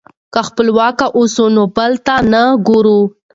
که خپلواک اوسو نو بل ته نه ګورو.